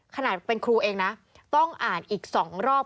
ขนาดเป็นครูเองนะต้องอ่านอีก๒รอบ